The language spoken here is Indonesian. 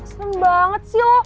seneng banget sih lo